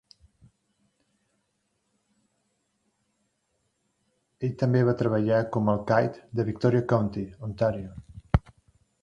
Ell també va treballar com a alcaid de Victoria County, Ontario.